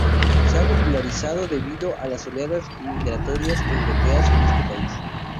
Se ha popularizado debido a las oleadas migratorias europeas en este país.